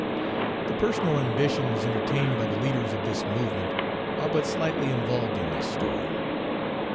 The personal ambitions entertained by the leaders of this movement are but slightly involved in this story.